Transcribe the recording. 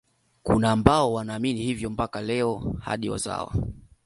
Kuna ambao wanaamini hivyo mpaka leo hadi wazawa